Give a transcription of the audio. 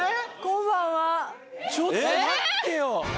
ちょっと待ってよ！